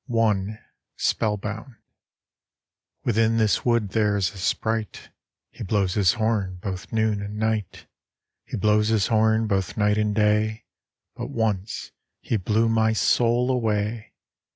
I. SPELLBOUND. I. Within this wood there is a sprite ; He blows his horn both noon and night ; He blows his horn both night and day ; But once he blew my soul away.